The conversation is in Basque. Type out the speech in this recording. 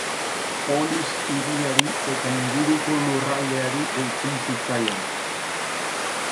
Polis hiriari eta inguruko lurraldeari deitzen zitzaion.